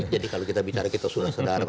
jadi kalau kita bicara kita sudah sedar